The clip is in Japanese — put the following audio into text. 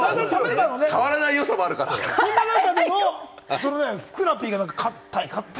そんな中でも、ふくらＰがかたい！